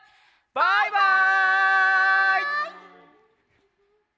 バイバイ！